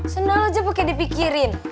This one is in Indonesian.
sendal aja pake dipikirin